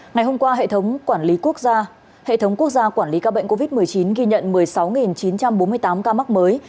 ngày hôm qua hệ thống quản lý ca bệnh covid một mươi chín ghi nhận một mươi sáu chín trăm bốn mươi tám ca mắc mới